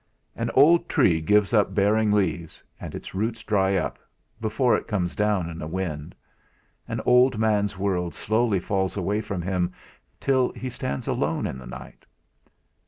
An old tree gives up bearing leaves, and its roots dry up, before it comes down in a wind; an old man's world slowly falls away from him till he stands alone in the night.